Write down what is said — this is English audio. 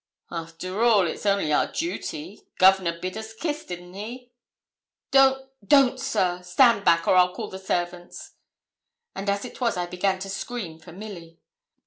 Arter all, it's only our duty. Governor bid us kiss, didn't he?' 'Don't don't, sir. Stand back, or I'll call the servants.' And as it was I began to scream for Milly.